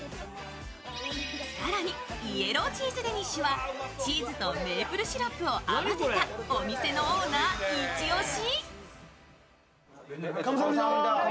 更にイエローチーズデニッシュはチーズとメープルシロップを合わせたお店のオーナー、一押し。